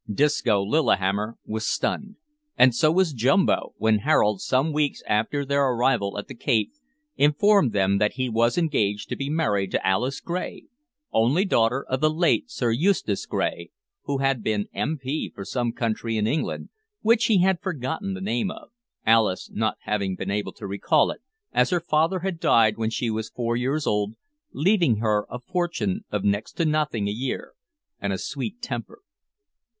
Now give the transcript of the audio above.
Disco Lillihammer was stunned, and so was Jumbo, when Harold, some weeks after their arrival at the Cape, informed them that he was engaged to be married to Alice Gray, only daughter of the late Sir Eustace Gray, who had been M.P. for some county in England, which he had forgotten the name of, Alice not having been able to recall it, as her father had died when she was four years old, leaving her a fortune of next to nothing a year, and a sweet temper.